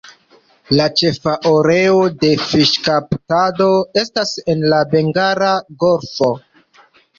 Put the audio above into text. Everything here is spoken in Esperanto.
La ĉefa areo de fiŝkaptado estas en la Bengala Golfo.